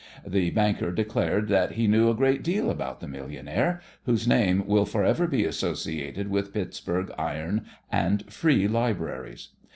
The banker declared that he knew a great deal about the millionaire, whose name will for ever be associated with Pittsburg iron and free libraries.